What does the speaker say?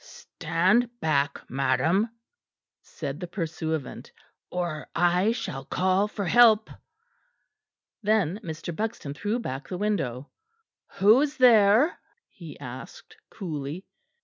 "Stand back, madam," said the pursuivant, "or I shall call for help." Then Mr. Buxton threw back the window. "Who is there?" he asked coolly.